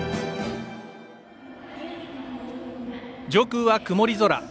上空は曇り空。